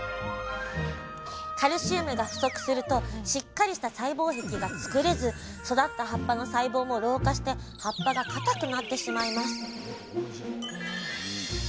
カルシウムが不足するとしっかりした細胞壁が作れず育った葉っぱの細胞も老化して葉っぱがかたくなってしまいます